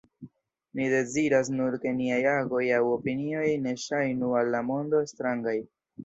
Ni deziras nur ke niaj agoj aŭ opinioj ne ŝajnu al la mondo strangaj.